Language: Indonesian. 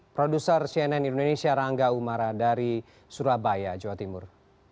produser cnn indonesia rangga umara dari surabaya jawa timur